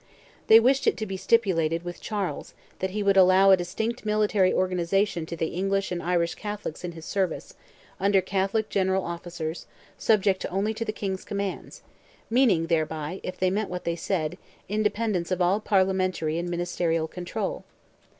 They wished it to be stipulated with Charles, that he would allow a distinct military organization to the English and Irish Catholics in his service, under Catholic general officers, subject only to the King's commands, meaning thereby, if they meant what they said, independence of all parliamentary and ministerial control.